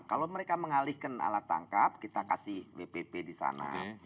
kalau mereka mengalihkan alat tangkap kita kasih wpp di sana